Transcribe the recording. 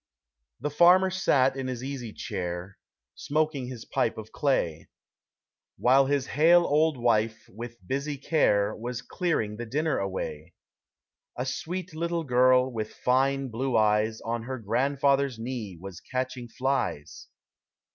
The farmer sat in his easy chair, Smoking his pipe of clay, While his hale old wife, with busy care, Was clearing the diuuer away; A sweet little girl, with flue blue eyes, On her grandfather's knee was catching flies.